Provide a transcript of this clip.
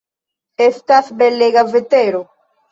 Estas belega vetero.